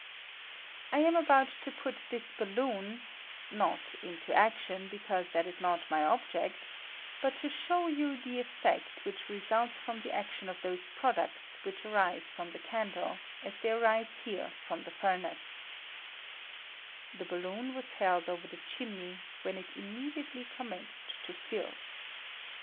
I am about to put this balloon— not into action, because that is not my object — but to show you the effect which resulte from the action of those products which arise from the candle, as they arise here from the furnace, [The balloon was held over the chimney, when it immediately commenced to fill.